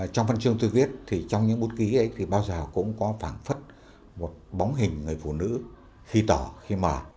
trong văn chương tôi viết trong những bút ký ấy bao giờ cũng có phản phất một bóng hình người phụ nữ khi tỏ khi mờ